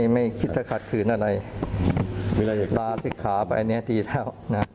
ไม่คิดจะขาดคืนอะไรลาสิกขาบอันนี้ดีแล้ว